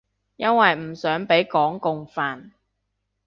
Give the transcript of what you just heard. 因為唔想畀港共煩